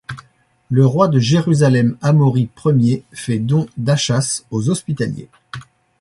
Le roi de Jérusalem Amaury I fait don d'Achas aux Hospitaliers.